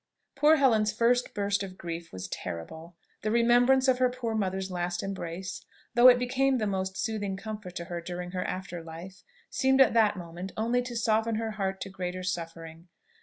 Poor Helen's first burst of grief was terrible. The remembrance of her poor mother's last embrace, though it became the most soothing comfort to her during her after life, seemed at that moment only to soften her heart to greater suffering.